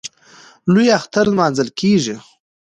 لوی اختر نماځل کېږي.